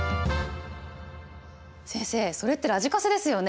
先生それってラジカセですよね？